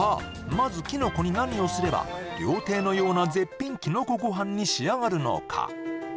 まずキノコに何をすれば料亭のような絶品キノコご飯に仕上がるのか？